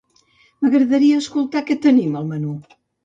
M'agradaria escoltar què tenim al menú.